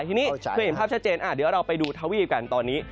ทีนี้เคยเห็นภาพชัดเจนเดี๋ยวเราไปดูทวีปกันตอนนี้